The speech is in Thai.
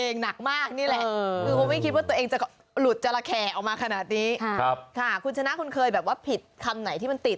อ๋อนี่ฉันอยากเล่า